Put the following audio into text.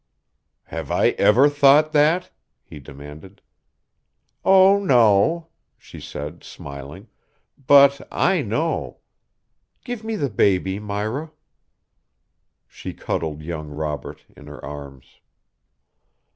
"Have I ever thought that?" he demanded. "Oh, no," she said smiling, "but I know. Give me the baby, Myra." She cuddled young Robert in her arms.